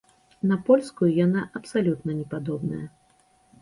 На польскую яна абсалютна не падобная.